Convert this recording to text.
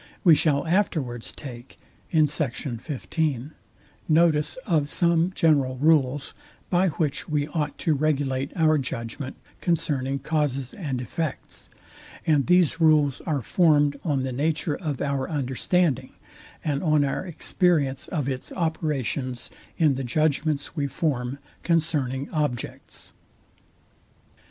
We shall afterwards take notice of some general rules, by which we ought to regulate our judgment concerning causes and effects; and these rules are formed on the nature of our understanding, and on our experience of its operations in the judgments we form concerning objects.